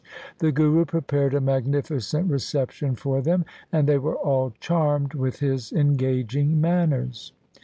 The Guru prepared a magnificent reception for them, and they were all charmed with his engaging manners.